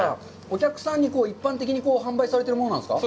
お客さんに一般的に販売されているものなんですか？